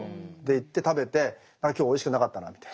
で行って食べて今日おいしくなかったなみたいな。